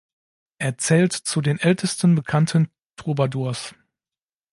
Er zählt zu den ältesten bekannten Troubadours.